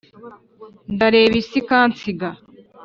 ndareba isi ikansiga